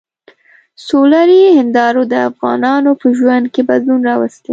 سولري هندارو د افغانانو په ژوند کې بدلون راوستی.